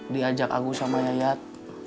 diajak agus sama yayad